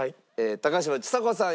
高嶋ちさ子さん